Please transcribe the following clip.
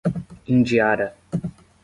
Indiara